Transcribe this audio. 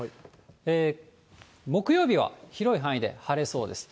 木曜日は広い範囲で晴れそうです。